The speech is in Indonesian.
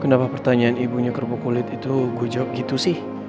kenapa pertanyaan ibunya kerupuk kulit itu gojok gitu sih